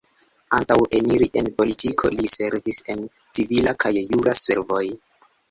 Antaŭ eniri en politiko, li servis en civila kaj jura servoj.